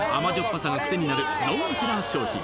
ぱさがクセになるロングセラー商品